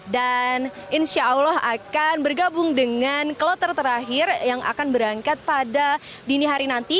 dan insya allah akan bergabung dengan kloter terakhir yang akan berangkat pada dini hari nanti